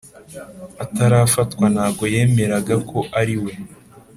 atarafatwa ntago yemeraga ko ari we